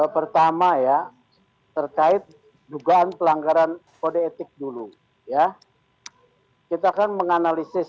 pertama ya terkait dugaan pelanggaran etik